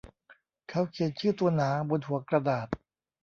เขาเขียนชื่อตัวหนาบนหัวกระดาษ